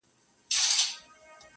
لويي څپې به لکه غرونه راځي٫